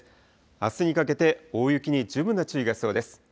あすにかけて大雪に十分な注意が必要です。